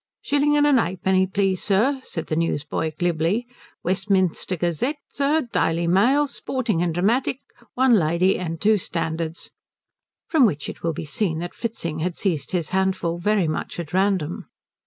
"Shilling and a penny 'alfpenny, please, sir," said the newspaper boy glibly. "Westminster Gazette, sir, Daily Mail, Sporting and Dramatic, one Lady, and two Standards." From which it will be seen that Fritzing had seized his handful very much at random.